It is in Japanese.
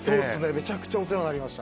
めちゃくちゃお世話になりました。